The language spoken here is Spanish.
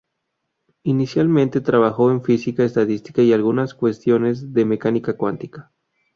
Inicialmente trabajó en física estadística y algunas cuestiones de mecánica cuántica.